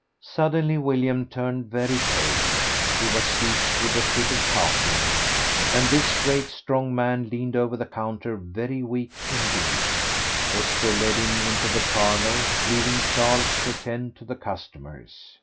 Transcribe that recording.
Suddenly William turned very pale. He was seized with a fit of coughing, and this great strong man leaned over the counter very weak indeed. Esther led him into the parlour, leaving Charles to attend to the customers.